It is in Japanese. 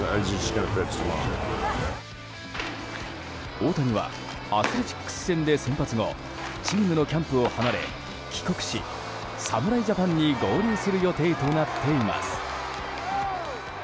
大谷はアスレチックス戦で先発後チームのキャンプを離れ帰国し侍ジャパンに合流する予定となっています。